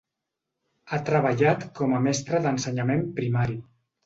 Ha treballat com a mestra d'ensenyament primari.